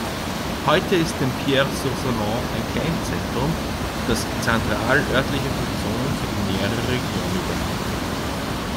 Heute ist Dampierre-sur-Salon ein Kleinzentrum, das zentralörtliche Funktionen für die nähere Region übernimmt.